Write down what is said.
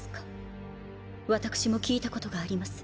私も聞いたことがあります。